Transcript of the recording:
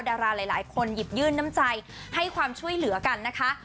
ดาราหลายคนหยิบยื่นน้ำใจให้ความช่วยเหลือกันนะคะ